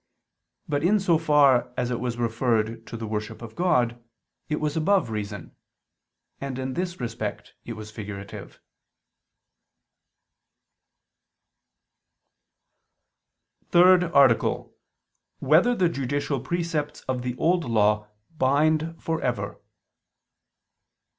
But in so far as it was referred to the worship of God, it was above reason: and in this respect it was figurative. ________________________ THIRD ARTICLE [I II, Q. 104, Art. 3] Whether the Judicial Precepts of the Old Law Bind for Ever?